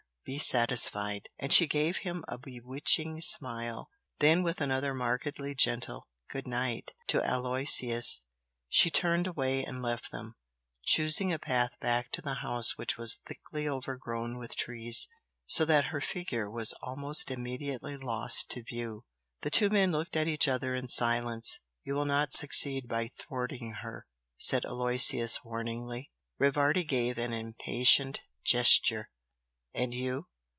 be satisfied!" And she gave him a bewitching smile then with another markedly gentle "Good night" to Aloysius, she turned away and left them, choosing a path back to the house which was thickly overgrown with trees, so that her figure was almost immediately lost to view. The two men looked at each other in silence. "You will not succeed by thwarting her!" said Aloysius, warningly. Rivardi gave an impatient gesture. "And you?"